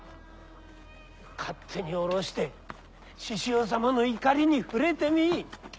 勝手に下ろして志々雄様の怒りに触れてみい！